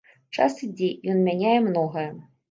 Час ідзе, ён мяняе многае.